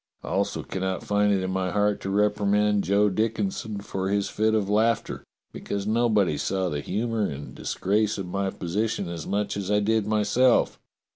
I also cannot find it in my heart to reprimand Joe Dickinson for his fit of laughter, because nobody saw the humour and disgrace of my position as much as I did myself.